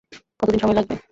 কতদিন সময় লাগবে?